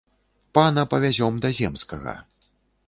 Пана павязём да земскага.